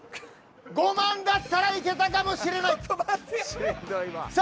５万だったらいけたかもしれない。